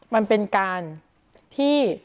มันเป็นการที่